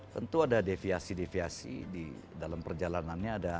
tentu ada deviasi deviasi di dalam perjalanannya